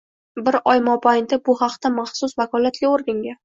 bir oy mobaynida bu haqda maxsus vakolatli organga